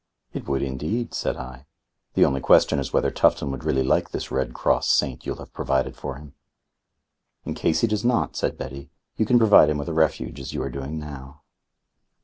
"It would indeed," said I. "The only question is whether Tufton would really like this Red Cross Saint you'll have provided for him." "In case he does not," said Betty, "you can provide him with a refuge as you are doing now."